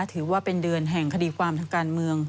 ถือว่าเป็นเดือนแห่งคดีความทางการเมือง